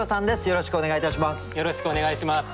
よろしくお願いします。